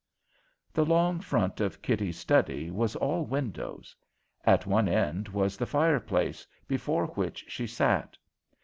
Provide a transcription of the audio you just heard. The long front of Kitty's study was all windows. At one end was the fireplace, before which she sat.